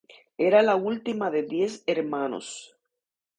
Era la última de diez hermanos.